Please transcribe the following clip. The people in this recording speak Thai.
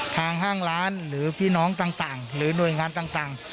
ห้างร้านหรือพี่น้องต่างหรือหน่วยงานต่าง